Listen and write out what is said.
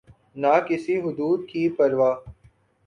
نہ کسی حدود کی پروا۔